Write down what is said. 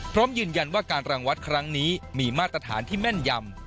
พร้อมยืนยันว่าการรังวัดครั้งนี้มีมาตรฐานที่แม่นยำ